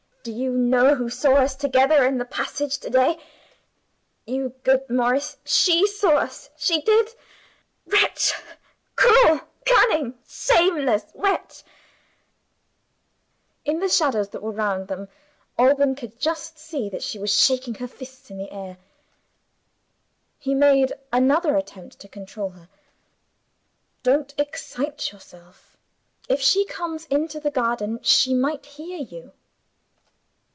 "Do you know who saw us together in the passage to day? You good Morris, she saw us she did. Wretch! Cruel, cunning, shameless wretch." In the shadows that were round them, Alban could just see that she was shaking her clinched fists in the air. He made another attempt to control her. "Don't excite yourself! If she comes into the garden, she might hear you."